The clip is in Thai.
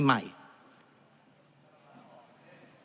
แต่ตามกฎหมายที่เสนอนี้ครับท่านประธานที่เสนอแก้กันเนี้ย